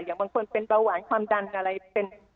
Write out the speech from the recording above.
อย่างบางคนเป็นเบาหวานความดันอะไรเป็น